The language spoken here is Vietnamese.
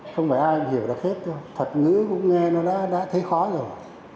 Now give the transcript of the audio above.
không phải ai hiểu được hết đâu thật ngữ cũng nghe nó đã thấy khó rồi